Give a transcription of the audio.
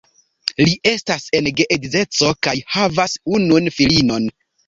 Li estas en geedzeco kaj havas unun filinon.